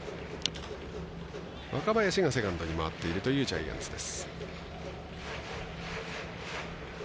若林がセカンドに回っているというジャイアンツです。